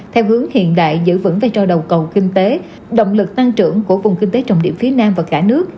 theo hướng hiện đại giữ vững vai trò đầu cầu kinh tế động lực tăng trưởng của vùng kinh tế trọng điểm phía nam và cả nước